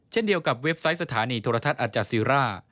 เช่นเดียวกับเว็บไซต์สถานีโทรทัศน์อาจาซีร่า